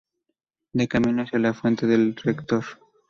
De camino hacia la fuente del rector.